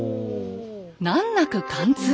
難なく貫通。